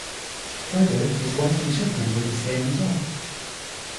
Further, his wife and children would be staying, as well.